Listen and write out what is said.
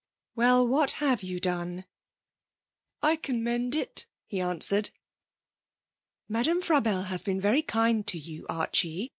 'Well, what have you done?' 'I can mend it,' he answered. 'Madame Frabelle has been very kind to you, Archie.